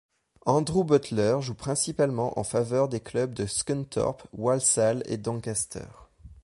Andrew Butler joue principalement en faveur des clubs de Scunthorpe, Walsall, et Doncaster.